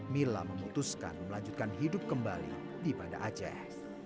mila memutuskan melanjutkan hidup kembali di banda aceh